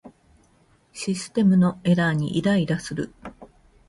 システムのエラーにイライラする